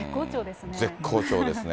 絶好調ですね。